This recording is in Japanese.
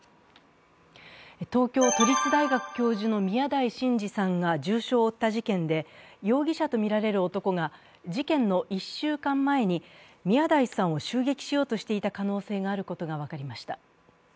東京都立大学教授の宮台真司さんが重傷を負った事件で、容疑者とみられる男が事件の１週間前に宮台さんを襲撃しようとしていた可能性があることが分かりました。